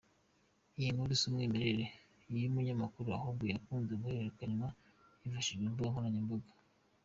Iyi nkuru si umwimerere y’umunyamakuru ahubwo yakunze guhererekanywa hifashishijwe imbuga nkoranyambaga.